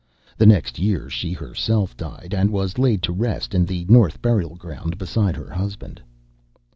The next year she herself died, and was laid to rest in the North Burial Ground beside her husband.